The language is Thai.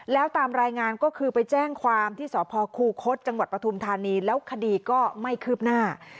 แล้วตามรายงานก็คือไปแจ้งความที่สพคูคศจังหวัดปฐุมธานีแล้วคดีก็ไม่คืบหน้า